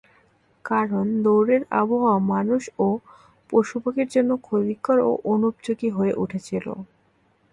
কারণ, গৌড়ের আবহাওয়া মানুষ ও পশুপাখির জন্য ক্ষতিকর ও অনুপযোগী হয়ে উঠেছিল।